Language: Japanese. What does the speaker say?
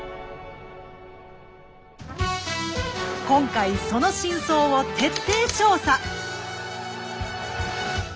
今回その真相を徹底調査！